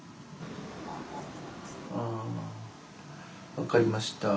分かりました。